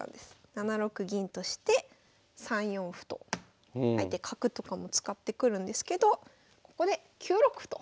７六銀として３四歩と相手角とかも使ってくるんですけどここで９六歩と。